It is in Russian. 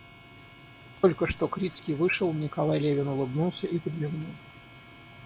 Только что Крицкий вышел, Николай Левин улыбнулся и подмигнул.